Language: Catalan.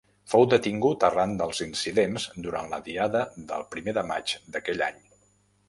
Fou detingut arran dels incidents durant la diada del primer de maig d'aquell any.